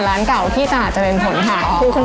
สืบต่อไปก็หลายเป็นชื่อหวานดำลง